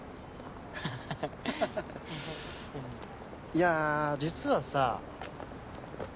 いや実はさ